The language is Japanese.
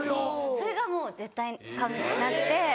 それがもう絶対なくて。